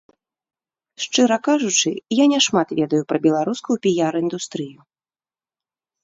Шчыра кажучы, я няшмат ведаю пра беларускую піяр-індустрыю.